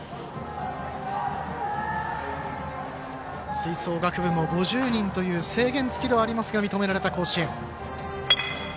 吹奏楽部も５０人という制限つきではありますが認められた甲子園。